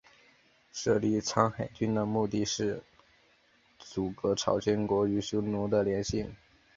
设立苍海郡的目的是阻隔朝鲜国与匈奴的联系。